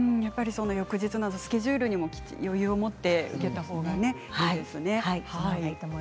翌日のスケジュールにも余裕を持って受けたほうがいいですね。